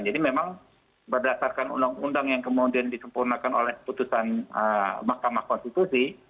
jadi memang berdasarkan undang undang yang kemudian disempurnakan oleh putusan mahkamah konstitusi